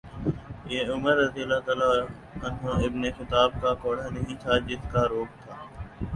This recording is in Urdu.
یہ عمرؓ ابن خطاب کا کوڑا نہیں تھا جس کا رعب تھا۔